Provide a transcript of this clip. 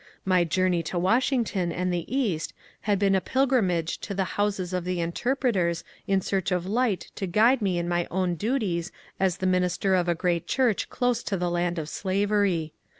My journey to Washington and the East had been a pilgrimage to the houses of the interpret ers in search of light to g^de me in my own duties as the minister of a great church close to the land of slavery.